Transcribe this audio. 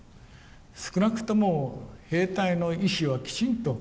少なくとも兵隊の意思はきちんと確認をする。